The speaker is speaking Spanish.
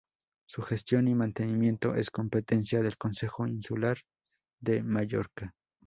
Su gestión y mantenimiento es competencia del Consejo Insular de Mallorca.